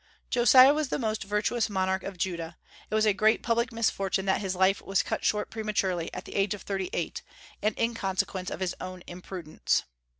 Josiah was the most virtuous monarch of Judah. It was a great public misfortune that his life was cut short prematurely at the age of thirty eight, and in consequence of his own imprudence.